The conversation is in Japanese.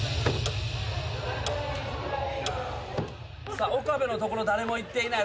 さあ岡部のところ誰も行っていない。